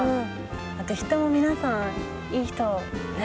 あと人も皆さんいい人。